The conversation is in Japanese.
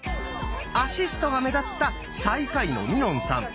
アシストが目立った最下位のみのんさん。